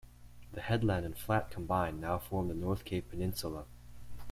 The headland and flat combined now form the North Cape Peninsula.